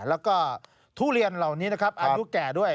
แล้วก็ทุเรียนเหล่านี้นะครับอายุแก่ด้วย